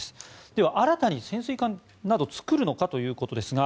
では、新たに潜水艦など造るのかということですが